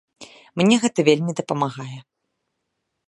Мне гэта вельмі дапамагае.